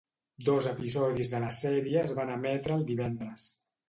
Dos episodis de la sèrie es van emetre el divendres.